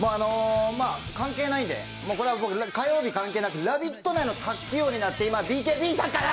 関係ないんで、僕、火曜日関係なく「ラヴィット！」内の卓球王になって今ＢＫＢさんから！！